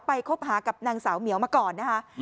คบหากับนางสาวเหมียวมาก่อนนะคะ